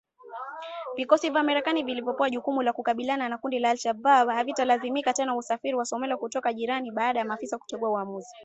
Vikosi vya Marekani vilivyopewa jukumu la kukabiliana na kundi la kigaidi la al-Shabab havitalazimika tena kusafiri hadi Somalia kutoka nchi jirani baada ya maafisa kutengua uamuzi